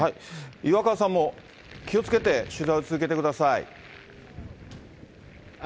岩川さんも、気をつけて取材を続けてください。